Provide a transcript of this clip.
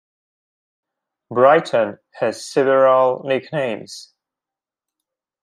Brighton has several nicknames.